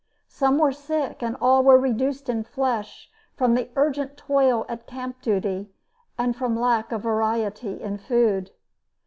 Some were sick, and all were reduced in flesh from the urgent toil at camp duty and from lack of variety of food.